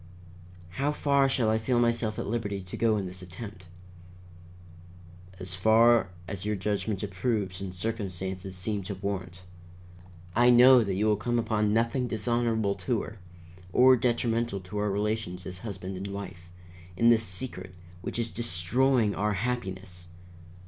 "How far shall I feel myself at liberty to go in this attempt?" "As far as your judgment approves and circumstances seem to warrant. I know that you will come upon nothing dishonorable to her, or detrimental to our relations as husband and wife, in this secret which is destroying our happiness.